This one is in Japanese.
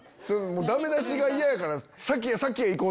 ダメ出しが嫌やから。